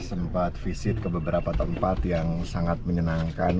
sempat visit ke beberapa tempat yang sangat menyenangkan